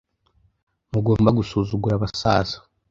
Ntugomba gusuzugura abasaza.